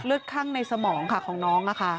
เลือดข้างในสมองของน้องนะคะ